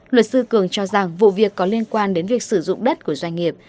luật sư cường cho rằng vụ việc có liên quan đến việc sử dụng đất của doanh nghiệp